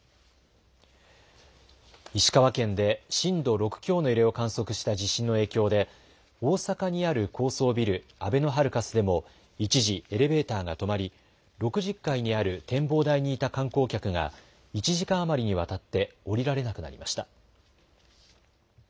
石川県で震度６強の揺れを観測した地震の影響で大阪にある高層ビル、あべのハルカスでも一時エレベーターが止まり６０階にある展望台にいた観光客が１時間余りにわたって降りられなくなりました。